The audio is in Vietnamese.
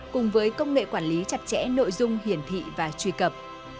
cùng với công nghệ quản lý chặt chẽ nội dung hiển thị và truy cập